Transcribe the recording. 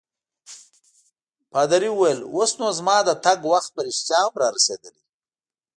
پادري وویل: اوس نو زما د تګ وخت په رښتیا هم رارسیدلی.